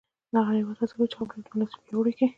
هر هېواد هڅه کوي خپله ډیپلوماسي پیاوړې کړی.